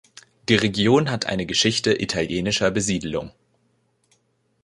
Die Region hat eine Geschichte italienischer Besiedlung.